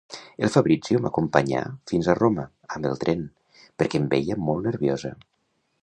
El Fabrizio m'acompanyà fins a Roma amb el tren, perquè em veia molt nerviosa.